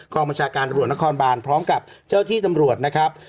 บัญชาการตำรวจนครบานพร้อมกับเจ้าที่ตำรวจนะครับ